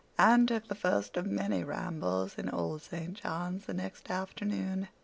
Anne took the first of many rambles in Old St. John's the next afternoon.